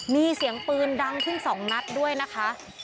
มีเสียงปืนดังขึ้น๒นัดด้วยนะคะ